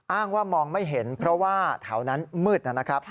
อ้างว่ามองไม่เห็นเพราะว่าแถวนั้นมืดนะครับ